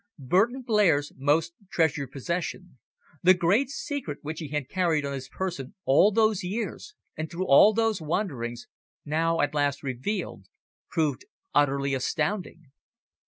Burton Blair's most treasured possession, the Great Secret which he had carried on his person all those years and through all those wanderings, now at last revealed, proved utterly astounding.